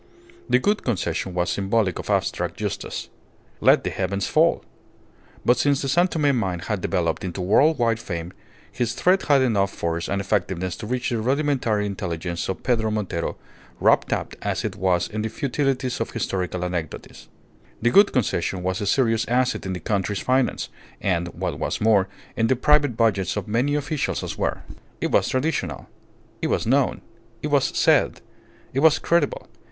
The Gould Concession was symbolic of abstract justice. Let the heavens fall. But since the San Tome mine had developed into world wide fame his threat had enough force and effectiveness to reach the rudimentary intelligence of Pedro Montero, wrapped up as it was in the futilities of historical anecdotes. The Gould Concession was a serious asset in the country's finance, and, what was more, in the private budgets of many officials as well. It was traditional. It was known. It was said. It was credible.